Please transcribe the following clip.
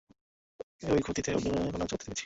ওই খুঁতিতে অগ্নিকণা জ্বলেতে দেখছি।